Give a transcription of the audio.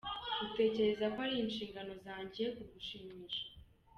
Utekereza ko ari inshingano zanjye kugushimisha?.